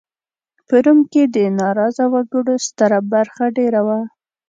په روم کې د ناراضه وګړو ستره برخه دېره وه